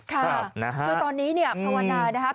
ค่ะคือตอนนี้เนี่ยภาวนานะครับ